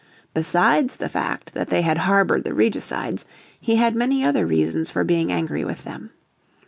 Besides the fact that they had harboured the regicides, he had many other reasons for being angry with them.